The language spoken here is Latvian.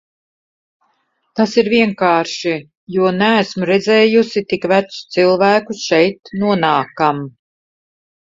Tas ir vienkārši, jo neesmu redzējusi tik vecus cilvēkus šeit nonākam.